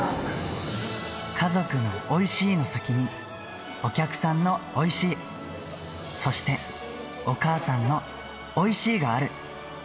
家族のおいしいの先に、お客さんのおいしい、そして、お母さんのおいしい！がある。